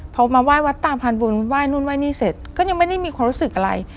พอมาไหว้วัดตามพันบุญไหว้นู่นไห้นี่เสร็จก็ยังไม่ได้มีความรู้สึกอะไร